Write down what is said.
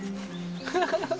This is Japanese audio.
ハハハハ。